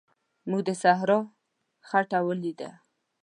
موږ د صحرا خټه ولیده.